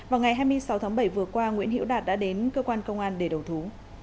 vào ngày hai mươi sáu tháng bảy vừa qua nguyễn hiễu đạt đã đến cơ quan công an để đầu thú